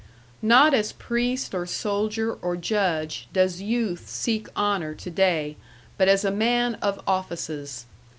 Not as priest or soldier or judge does youth seek honor to day, but as a man of offices.